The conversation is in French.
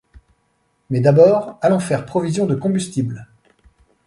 Mais d’abord, allons faire provision de combustible.